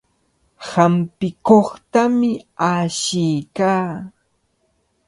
Hampikuqtami ashiykaa.